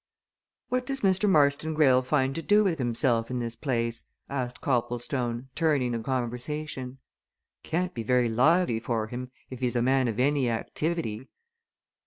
"What does Mr. Marston Greyle find to do with himself in this place?" asked Copplestone, turning the conversation. "Can't be very lively for him if he's a man of any activity."